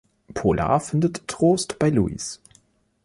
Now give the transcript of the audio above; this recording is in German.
Pola findet Trost bei Louis.